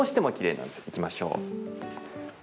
いきましょう。